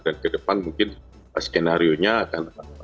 dan ke depan mungkin skenario nya akan